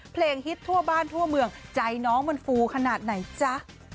ฮิตทั่วบ้านทั่วเมืองใจน้องมันฟูขนาดไหนจ๊ะ